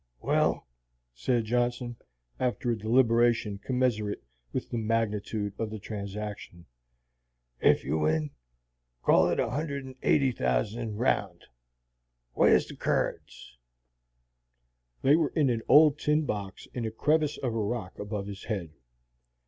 "Well," said Johnson, after a deliberation commensurate with the magnitude of the transaction, "ef you win, call it a hundred and eighty thousand, round. War's the keerds?" They were in an old tin box in a crevice of a rock above his head.